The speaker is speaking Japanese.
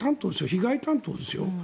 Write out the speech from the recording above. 被害担当ですよ。